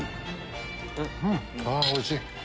あぁおいしい。